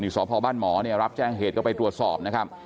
สมพบ้านหมอรับแจ้งเหตุก็ไปตรวจสอบ